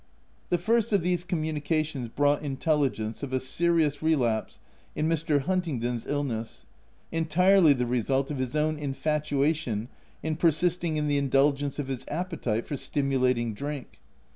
The first of these communications brought intelligence of a serious relapse in Mr. Hun tingdon's illness, entirely the result of his own infatuation in persisting in the indulgence of his appetite for stimulating drink.